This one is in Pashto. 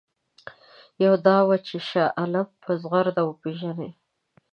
یوه دا وه چې شاه عالم په زغرده وپېژني.